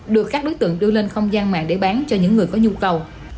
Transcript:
được các đối tượng đưa lên không gian mạng để bán cho những người có nhu cầu